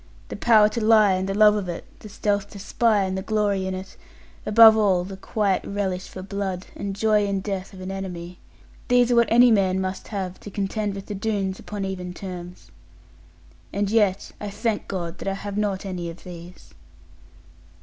The power to lie, and the love of it; the stealth to spy, and the glory in it; above all, the quiet relish for blood, and joy in the death of an enemy these are what any man must have, to contend with the Doones upon even terms. And yet, I thank God that I have not any of these.'